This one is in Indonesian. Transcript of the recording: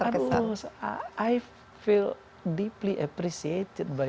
karena ini yang membuat saya